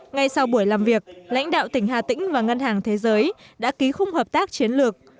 ngay sau buổi làm việc lãnh đạo tỉnh hà tĩnh và ngân hàng thế giới đã ký khung hợp tác chiến lược